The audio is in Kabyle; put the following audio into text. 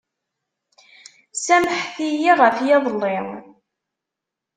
Samḥet-iyi ɣef yiḍelli.